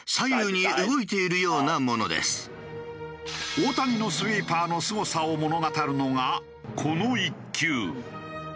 大谷のスイーパーのすごさを物語るのがこの一球。